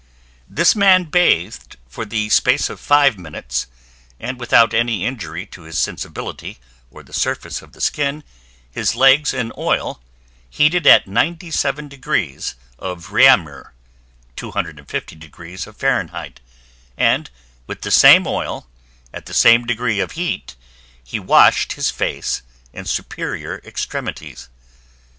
This man bathed for the space of five minutes, and without any injury to his sensibility or the surface of the skin, his legs in oil, heated at 97 degrees of Reaumur (250 degrees of Fahrenheit) and with the same oil, at the same degree of heat, he washed his face and superior extremities.